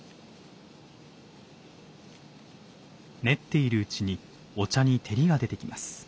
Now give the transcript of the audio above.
練っているうちにお茶に照りが出てきます。